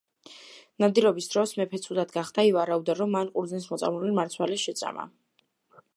ნადირობის დროს მეფე ცუდად გახდა, ივარაუდება რომ მან ყურძნის მოწამლული მარცვალი შეჭამა.